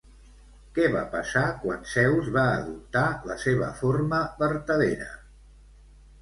Què va passar quan Zeus va adoptar la seva forma vertadera?